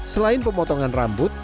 selain pemotongan rambut